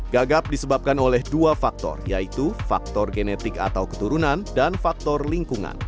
gagap disebabkan oleh dua faktor yaitu faktor genetik atau keturunan dan faktor lingkungan